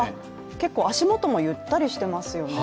結構足元もゆったりしてますよね。